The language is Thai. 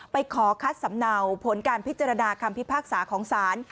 ไปขอคัดสำเนาผลการพิจารณาคำพิพากษาของศาล